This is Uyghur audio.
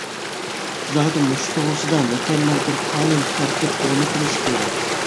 زادى مۇشۇ توغرىسىدا مۇكەممەل بىر قانۇن تەرتىپ ئورنىتىلىشى كېرەك.